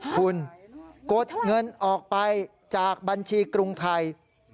คุณกดเงินออกไปจากบัญชีกรุงไทย